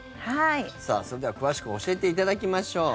それでは詳しく教えていただきましょう。